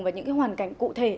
và những hoàn cảnh cụ thể